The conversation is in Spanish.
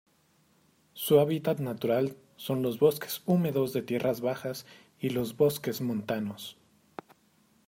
Su hábitat natural son los bosques húmedos de tierras bajas y los bosques montanos.